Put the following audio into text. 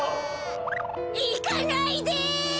いかないで！